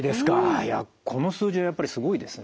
いやこの数字はやっぱりすごいですね。